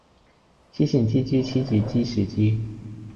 癡線蜘蛛痴住支樹枝